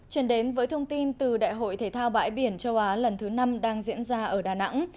truyền đến với thông tin từ đại hội thể thao bãi biển châu á lần thứ năm đang diễn ra ở đà nẵng